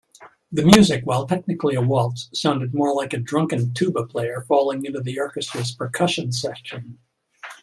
The music, while technically a waltz, sounded more like a drunken tuba player falling into the orchestra's percussion section.